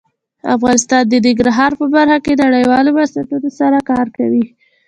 افغانستان د ننګرهار په برخه کې نړیوالو بنسټونو سره کار کوي.